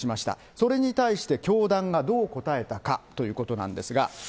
それに対して、教団がどう答えたかということなんですが。